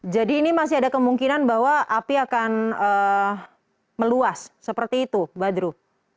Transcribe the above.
jadi ini masih ada kemungkinan bahwa api akan meluas seperti itu badru